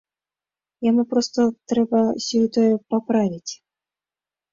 Яму проста трэба сёе-тое паправіць.